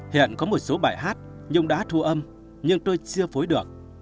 hiện có một số bài hát nhưng đã thu âm nhưng tôi chưa phối được